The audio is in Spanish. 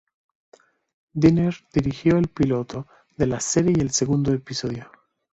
Dinner dirigió el piloto de la serie y el segundo episodio.